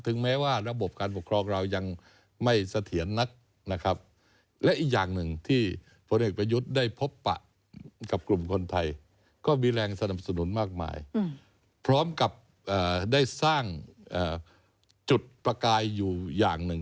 รวมกับได้สร้างจุดประกายอยู่อย่างหนึ่ง